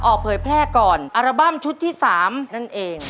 เผยแพร่ก่อนอัลบั้มชุดที่๓นั่นเอง